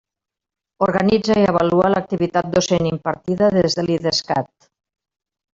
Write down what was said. Organitza i avalua l'activitat docent impartida des de l'Idescat.